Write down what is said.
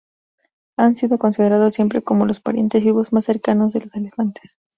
Han sido considerados siempre como los parientes vivos más cercanos de los elefantes.